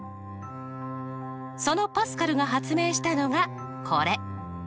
そのパスカルが発明したのがこれ。